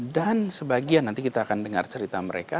dan sebagian nanti kita akan dengar cerita mereka